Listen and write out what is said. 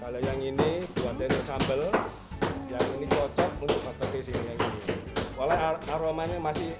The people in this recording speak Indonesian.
kalau yang ini buatnya sambel yang ini cocok untuk petis ini yang ini oleh aromanya masih